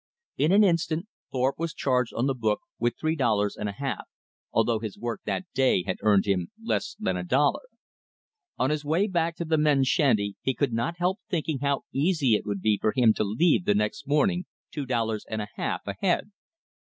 In an instant Thorpe was charged on the book with three dollars and a half, although his work that day had earned him less than a dollar. On his way back to the men's shanty he could not help thinking how easy it would be for him to leave the next morning two dollars and a half ahead.